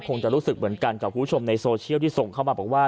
คงจะรู้สึกเหมือนกันกับคุณผู้ชมในโซเชียลที่ส่งเข้ามาบอกว่า